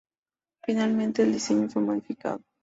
Finalmente, el diseño fue modificado.